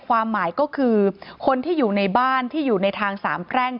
ความหมายก็คือคนที่อยู่ในบ้านที่อยู่ในทางสามแพร่ง